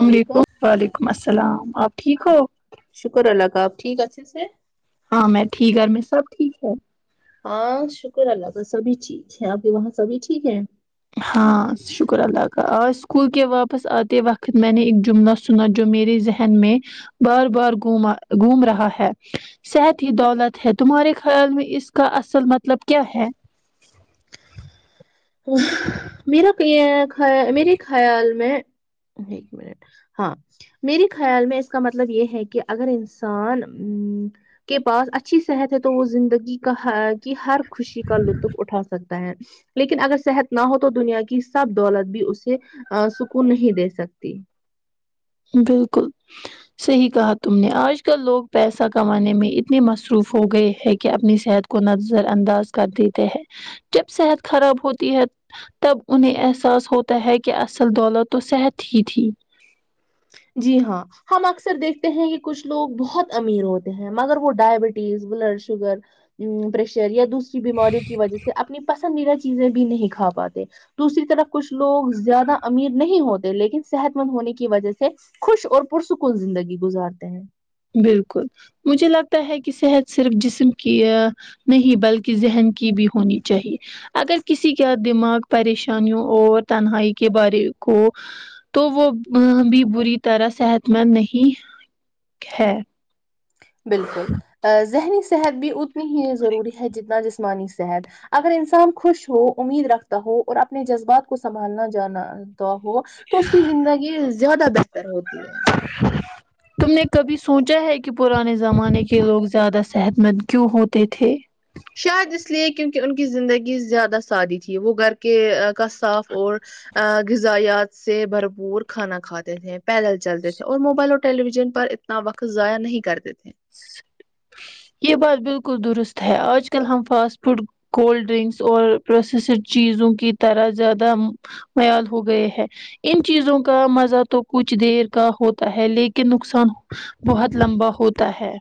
وعلیکم ملیکم وعلیکم السلام آپ ٹھیک ہو شکر اللہ کا اب ٹھیک اچھے سے ہاں میں ٹھیک گھر میں سب ٹھیک ہے ہاں شکر اللہ کا سبھی ٹھیک ہے آپ کے وہاں سبھی ٹھیک ہے ہاں شکر اللہ کا آج اسکول کے واپس آتے وقت میں نے ایک جملہ سنا جو میرے ذہن میں بار بار گھما گوم رہا ہے صحت ہی دولت ہے تمہارے خیال میں اس کا اصل مطلب کیا ہے میرا میرے خیال میں ایک منٹ ہاں میرے خیال میں اس کا مطلب یہ ہے کہ اگر انسان م کے پاس اچھی صحت ہے تو وہ زندگی کا ہر کہ ہر خوشی کا لطف اٹھا سکتا ہے لیکن اگر صحت نہ ہو تو دنیا کی سب دولت بھی اسے سکون نہیں دے سکتی بالکل صحیح کہا تم نے آج کل لوگ پیسہ کمانے میں اتنے مصروف ہو گئے ہیں کہ اپنی صحت کو نظر انداز کر دیتے ہیں جب صحت خراب ہوتی ہے تب انہیں احساس ہوتا ہے کہ اصل دولت تو صحت ہی تھی جی ہاں ہم اکثر دیکھتے ہیں کہ کچھ لوگ بہت امیر ہوتے ہیں مگر وہ ڈائبٹیز بلڈ شوگر پریشر یا دوسری بیماریوں کی وجہ سے اپنی پسندیدہ چیزیں بھی نہیں کھا پاتے دوسری طرف کچھ لوگ زیادہ امیر نہیں ہوتے لیکن صحت مند ہونے کی وجہ سے خوش اور پرسکون زندگی گزارتے ہیں بالکل مجھے لگتا ہے کہ صحت صرف جسم کی یہ نہیں بلکہ ذہن کی بھی ہونی چاہیے اگر کسی کا دماغ پریشانیوں اور تنہائی کے بارے کو تو وہ بھی بری طرح صحت مند نہیں ہیں بالکل ذہنی صحت بھی اتنی ہی ضروری ہے جتنا جسمانی صحت اگر انسان خوش ہو امید رکھتا ہو اور اپنے جذبات کو سنبھالنا جانا ہو تو اس کی زندگی زیادہ بہتر ہوتی ہے تم نے کبھی سوچا ہے کہ پرانے زمانے کے لوگ زیادہ صحت مند کیوں ہوتے تھے شاید اس لیے کیونکہ ان کی زندگی زیادہ سادی تھی وہ گھر کے کا صاف اور غذایات سے بھرپور کھانا کھاتے تھے پیدل چلتے تھے اور موبائل اور ٹیلی ویژن پر اتنا وقت ضائع نہیں کرتے تھے یہ بات بالکل درست ہے آج کل ہم فاسٹ فوڈ کولڈ ڈرنکس اور پروسیسڈ چیزوں کی طرح زیادہ معیاد ہو گئے ہے ان چیزوں کا مزہ تو کچھ دیر کا ہوتا ہے لیکن نقصان بہت لمبا ہوتا ہے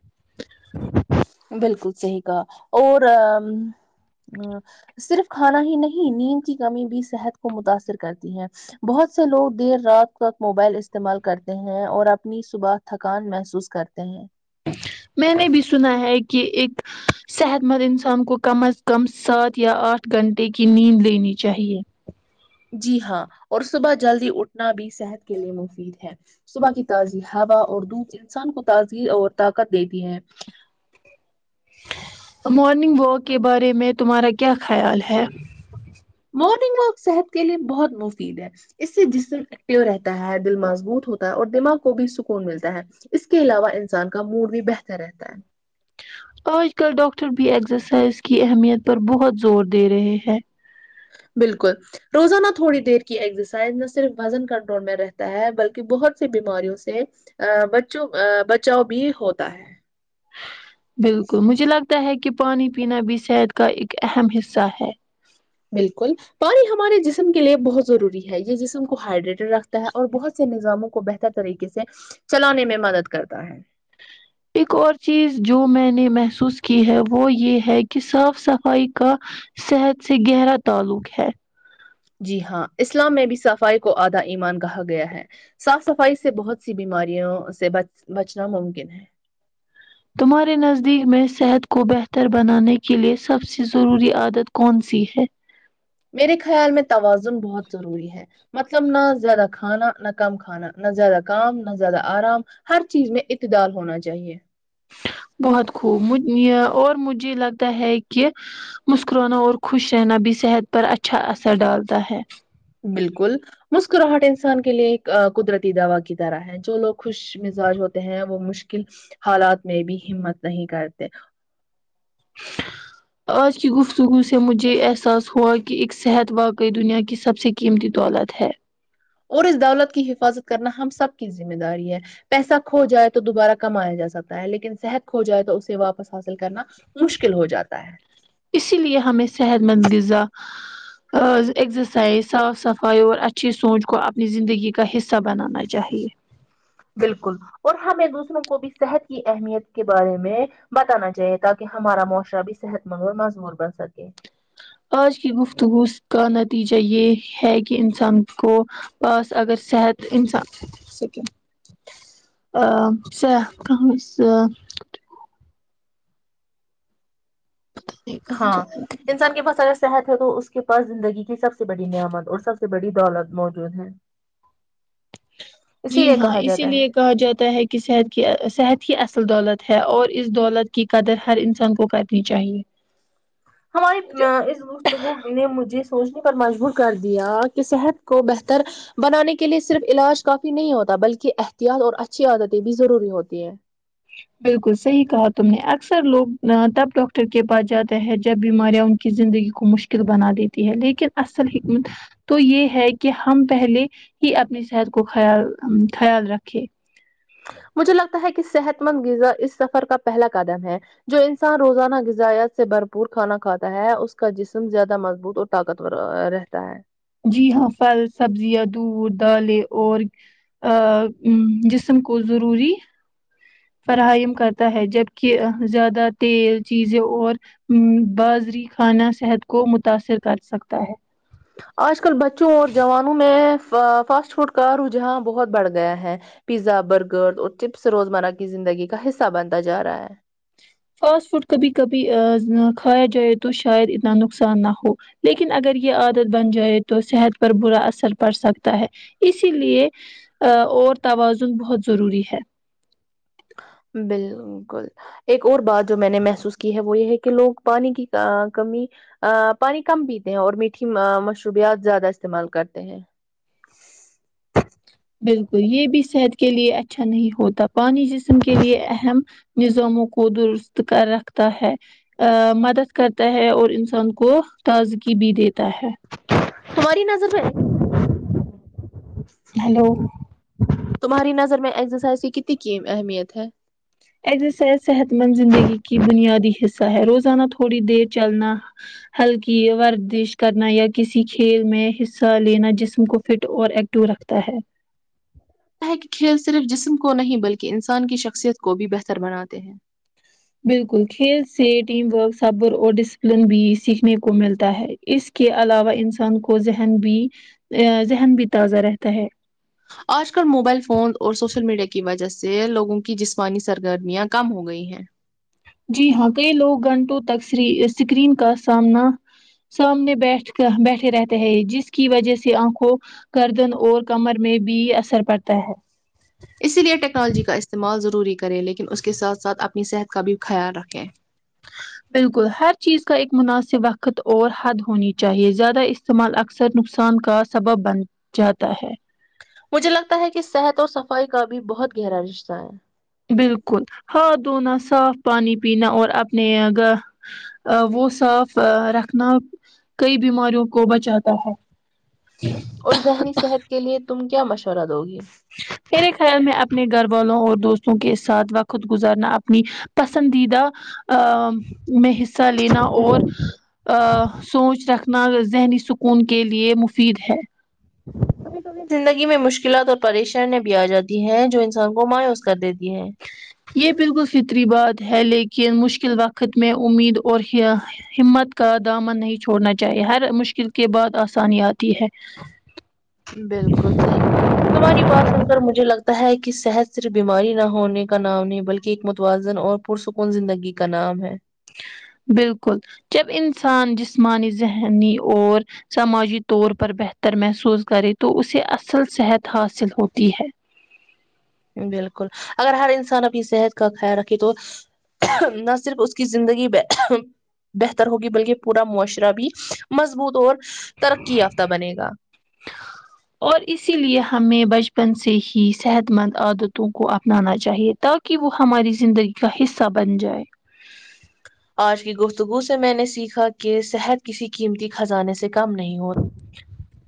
بالکل صحیح کہا اور صرف کھانا ہی نہیں نیند کی کمی بھی صحت کو متاثر کرتی ہے بہت سے لوگ دیر رات تک موبائل استعمال کرتے ہیں اور اپنی صبح تھکان محسوس کرتے ہیں میں نے بھی سنا ہے کہ ایک صحت مند انسان کو کم از کم سات یا آٹھ گھنٹے کی نیند لینی چاہیے جی ہاں اور صبح جلدی اٹھنا بھی صحت کے لیے مفید ہے صبح کی تازی ہوا اور دھوپ انسان کو تازی اور طاقت دیتی ہے مارننگ واک کے بارے میں تمہارا کیا خیال ہے مارننگ واک صحت کے لیے بہت مفید ہے اس سے جسم ایکٹو رہتا ہے دل مضبوط ہوتا ہے اور دماغ کو بھی سکون ملتا ہے اس کے علاوہ انسان کا موڈ بھی بہتر رہتا ہے آج کل ڈاکٹر بھی ایکزسائز کی اہمیت پر بہت زور دے رہے ہیں بالکل روزانہ تھوڑی دیر کی ایکزسائز نہ صرف وزن کنٹرول میں رہتا ہے بلکہ بہت سی بیماریوں سے ا بچوں بچاؤ بھی ہوتا ہے بالکل مجھے لگتا ہے کہ پانی پینا بھی صحت کا ایک اہم حصہ ہے بالکل پانی ہمارے جسم کے لیے بہت ضروری ہے یہ جسم کو ہائیڈریٹر رکھتا ہے اور بہت سے نظاموں کو بہتر طریقے سے چلانے میں مدد کرتا ہے ایک اور چیز جو میں نے محسوس کی ہے وہ یہ ہے کہ کہ صاف صفائی کا صحت سے گہرا تعلق ہے جی ہاں اسلام میں بھی صفائی کو آدھا ایمان کہا گیا ہے صاف صفائی سے بہت سی بیماریاں سے بچ بچنا ممکن ہے تمہارے نزدیک میں صحت کو بہتر بنانے کے لیے سب سے ضروری عادت کونسی ہے میرے خیال میں توازن بہت ضروری ہے مطلب نہ زیادہ کھانا نہ کم کھانا نہ زیادہ کام نہ زیادہ آرام ہر چیز میں عتدال ہونا چاہیے بہت خوب اور مجھے لگتا ہے کہ مسکرانا اور خوش رہنا بھی صحت پر اچھا اثر ڈالتا ہے بالکل مسکراہٹ انسان کے لیے ایک قدرتی دوا کی طرح ہے جو لوگ خوش مزاج ہوتے ہیں وہ مشکل حالات میں بھی ہمت نہیں کرتے آج کی گفتگو سے مجھے یہ احساس ہوا کہ ایک صحت واقع دنیا کی سب سے قیمتی دولت ہے اور اس دولت کی حفاظت کرنا ہم سب کی ذمہ داری ہے پیسہ کھو جائے تو دوبارہ کمایا جا سکتا ہے لیکن صحت کھو جائے تو اسے واپس حاصل کرنا مشکل ہو جاتا ہے اسی لیے ہمیں صحت مند غذا ایکزسائز صاف صفائی اور اچھی سوچ کو اپنی زندگی کا حصہ بنانا چاہیے بالکل اور ہمیں دوسروں کو بھی صحت کی اہمیت کے بارے میں بتانا چاہیے تاکہ ہمارا معاشرہ بھی صحت مند اور مضبوط بن سکے آج کی گفتگو کا نتیجہ یہ ہے کہ انسان کو بس اگر صحت انسان سکھ [unintelligible] ہاں انسان کے پاس اگر صحت ہے تو اس کے پاس زندگی کی سب سے بڑی نعمت اور سب سے بڑی دولت موجود ہے جی اسی لیے ہاں کہا اسی جاتا لیے ہے کہا جاتا ہے کہ صحت کی صحت ہی اصل دولت ہے اور اس دولت کی قدر ہر انسان کو کرنی چاہیے ہمارے [unintelligible] اس میں گفتگو نے مجھے سوچنے پر مجبور کر دیا کہ صحت کو بہتر بنانے کے لیے صرف علاج کافی نہیں ہوتا بلکہ احتیاط اور اچھی عادتیں بھی ضروری ہوتی ہیں بالکل صحیح کہا تم نے اکثر لوگ تب ڈاکٹر کے پاس جاتے ہے جب بیماریاں زندگی کو مشکل بنا دیتی ہے لیکن اصل حکمت تو یے ہے کی ہم پہلے ہی اپنی صحت کو خیال خیال رکھے مجھے لگتا ہے کی صحت مند غذا اس سفر کا پہلا قدم ہے جو انسان روزانہ غذات سے بھرپور کھانا کھاتا ہے اس کا جسم زیادہ مضبوط اور طاقتور رہتا ہے جی ہاں پھل سبزیاں دودھ دالیں اور جسم کو ضروری فراہم کرتا ہے جبک زیادہ تیل چیزیں اور ہمم بازری کھانا صحت کو متاثر کر سکتا ہے آج کل بچوں اور جوانوں میں فاسٹ فوڈ کا رجحان بہت بڑھ گیا ہے پیزا برگر اور چپس روزمرہ کی زندگی کا حصہ بنتا جا رہا ہے فاسٹ فوڈ کبھی کبھی کھایا جائے تو شاید اتنا نقصان نہ ہو لیکن اگر یے عادت بن جائے تو صحت پر برا اثر پڑ سکتا ہے اسی لیے اور توازن بہت ضروری ہے بالکل ایک اور بات جو میں نے محسوس کی ہے وہ یے ہے کی لوگ پانی کی کمی آ پانی کم پیتے ہیں اور میٹھی مشروبیات زیادہ استعمال کرتے ہیں بالکل یے بھی صحت کے لیے اچھا نہیں ہوتا پانی جسم کے لیے اہم نظاموں کو درست کر رکھتا ہے آ مدد کرتا ہے اور انسان کو تازگی بھی دیتا ہے تماری نظر میں ہیلو تمہاری نظر میں ایکزرسائز کی کتنی کی اہمیت ہے ایکزرسائز صحت مند زندگی کی بنیادی حصہ ہے روزانہ تھوڑی دیر چلنا ہلکی ورزش کرنا یا کسی کھیل میں حصہ لینا جسم کو فٹ اور ایک ٹو رکھتا ہے کی کھیل صرف جسم کو نہیں بلکی انسان کی شخصیت کو بھی بہتر بناتے ہیں بالکل کھیل سے ٹیم ورک صبر اور ڈسپلین بھی سیکھنے کو ملتا ہے اس کے علاوہ انسان کو ذہن بھی ذہن بھی تازہ رہتا ہے آج کل موبائل فون اور سوشل میڈیا کی وجہ سے لوگوں کی جسمانی سرگرمیاں کم ہو گئی ہیں جی ہاں کئی لوگ گھنٹوں تک سکرین کا سامنا سامنے بیٹھ کر بیٹھے رہتے ہیں جس کی وجہ سے آنکھوں گردن اور کمر میں بھی اثر پڑتا ہے اسی لیے ٹیکنالوجی کا استعمال ضروری کریں لیکن اس کے ساتھ ساتھ اپنی صحت کا بھی خیال رکھیں بالکل ہر چیز کا ایک مناسب وقت اور حد ہونی چاہیے زیادہ استعمال اکثر نقصان کا سبب بن جاتا ہے مجھے لگتا ہے کی صحت اور صفائی کا بھی بہت گہرا رشتہ ہے بالکل ہاتھ دھونا صاف پانی پینا اور اپنے گھر آ وہ صاف رکھنا کئی بیماریوں کو بچاتا ہے اور ذہنی صحت کے لیے تم کیا مشورہ دو گی میرے خیال میں اپنے گھر والوں اور دوستوں کے ساتھ وقت گزارنا اپنی پسندیدہ آ میں حصہ لینا اور آ سوچ رکھنا ذہنی سکون کے لیے مفید ہے [unintelligible] زندگی میں مشکلات اور پریشانیا بھی آ جاتی ہیں جو انسان کو مایوس کر دیتی ہے یہ بالکل فطری بات ہے لیکن مشکل وقت میں امید اور ہمت کا دامن نہیں چھوڑنا چاہیے ہر مشکل کے بعد آسانی آتی ہے بالکل صحی کہا تمہاری بات سن کر مجھے لگتا ہے کی صحت صرف بیماری نہ ہونے کا نام نہیں بلکی ایک متوازن اور پرسکون زندگی کا نام ہے بالکل جب انسان جسمانی ذہنی اور سماجی طور پر بہتر محسوس کرے تو اسے اصل صحت حاصل ہوتی ہے بالکل اگر ہر انسان اپنی صحت کا خیال رکھے تو نہ صرف اس کی زندگی میں بہتر ہوگی بلکی پورا معاشرہ بھی مضبوط اور ترقی یافتہ بنے گا اور اسی لیے ہمیں بچپن سے ہی صحت مند عادتوں کو اپنانا چاہیے تاکہ کی وہ ہماری زندگی کا حصہ بن جائے آج کی گفتگو سے میں نے سیکھا کہ صحت کسی قیمتی خزانے سے کم نہیں ہو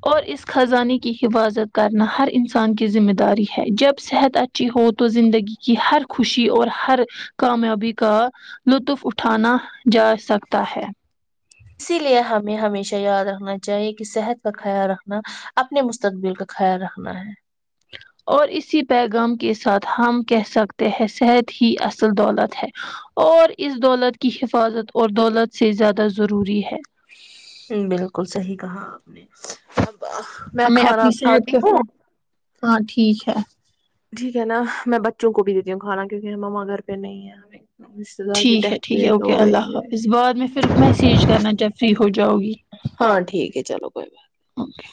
اور اس خزانے کی حفاظت کرنا ہر انسان کی ذمہ داری ہے جب صحت اچ چی ہو تو زندگی کی ہر خوشی اور ہر کامیابی کا لطف اٹھانا جا سکتا ہے اسی لیے ہمیں ہمیشہ یاد رکھنا چاہیے کی صحت کا خیال رکھنا اپنے مستقبل کا خیال رکھنا ہے اور اسی پیغام کے ساتھ ہم کہہ سکتے ہیں صحت ہی اصل دولت ہے اور اس دولت کی حفاظت اور دولت سے زیادہ ضروری ہے جی بالکل صحیح کہا آپ نے اب میں ہمیں کھانا اپنی صحت کھاتی پہ ہوں ہاں ٹھیک ہے ٹھیک ہے نا میں بچوں کو بھی دیتی ہوں کھانا کیونکی مما گھر پے نہیں ہے دار کی ٹھیک ہے ڈیتھ ٹھیک ہوئی ہے تو اوکے وہ اللہ وہیں گئے حافظ بعد میں فیر میسج کرنا جب فری ہو جاؤ گی ہاں ٹھیک ہے چلو کوئی بات اوکے